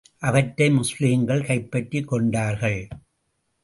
அவற்றை முஸ்லிம்கள் கைப்பற்றிக் கொண்டார்கள்.